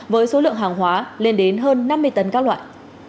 với số lượng hàng hóa lên đến hơn năm mươi tấn các loại